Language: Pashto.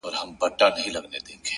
o خدای په ژړا دی، خدای پرېشان دی،